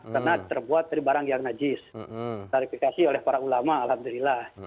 karena terbuat dari barang yang najis tarifikasi oleh para ulama alhamdulillah